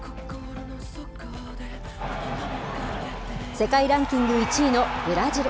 世界ランキング１位のブラジル。